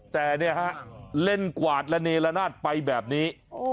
แต่เนี่ยฮะเล่นกวาดระเนละนาดไปแบบนี้